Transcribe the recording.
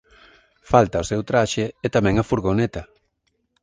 Falta o seu traxe e tamén a furgoneta.